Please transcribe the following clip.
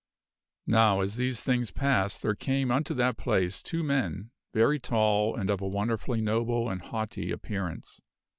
" Now as these things passed, there came unto that place two men, very tall and of a wonderfully noble and haughty appearance.